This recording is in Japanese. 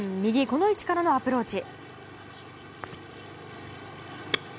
この位置からのアプローチ。